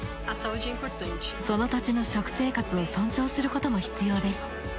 その土地の食生活を尊重することも必要です。